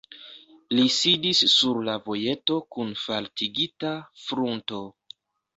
Li sidis sur la vojeto kun faltigita frunto.